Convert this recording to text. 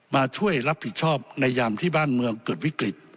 มาช่วยรับผิดชอบในยามที่บ้านเมืองเกิดวิกฤต